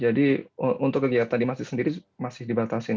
jadi untuk kegiatan di masjid sendiri masih dibatasi